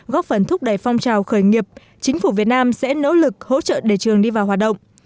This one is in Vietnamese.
góp phần thúc đẩy phong trào khởi nghiệp chính phủ việt nam sẽ nỗ lực hỗ trợ để trường đi vào hoạt động